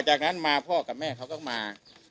จากนั้นมาพ่อกับแม่เขาก็มา